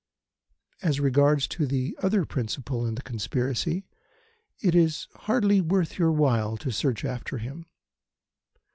As regards the other principal in the Conspiracy, it is hardly worth your while to search after him.